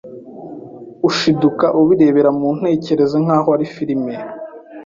ushiduka ubirebera mu ntekerezo nk’aho ari filime